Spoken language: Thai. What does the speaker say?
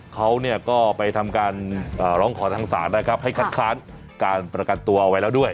เขาก็ไปทำการร้องขอทางศาลนะครับให้คัดค้านการประกันตัวเอาไว้แล้วด้วย